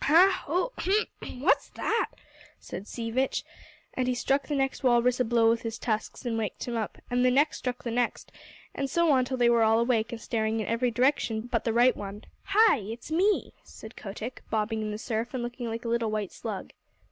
"Hah! Ho! Hmph! What's that?" said Sea Vitch, and he struck the next walrus a blow with his tusks and waked him up, and the next struck the next, and so on till they were all awake and staring in every direction but the right one. "Hi! It's me," said Kotick, bobbing in the surf and looking like a little white slug.